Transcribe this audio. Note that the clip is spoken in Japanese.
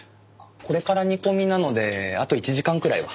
これから煮込みなのであと１時間くらいは。